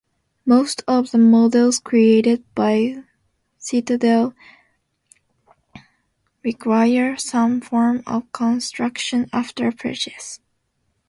Most of the models created by Citadel require some form of construction after purchase.